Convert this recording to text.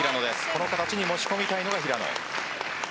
この形に持ち込みたいのは平野。